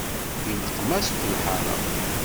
I neqma sut lḥara.